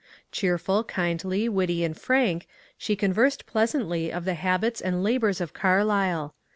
Cheerful, kindly, witty, and frank, she conversed pleasantly of the habits and labours of Carlyle.